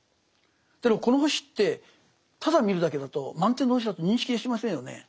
だけどこの星ってただ見るだけだと満天の星だと認識しませんよね。